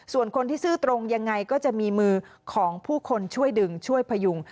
ส่วนคนที่ซื่อตรงยังไงก็จะมีมือของผู้คนช่วยดึงช่วยพยุง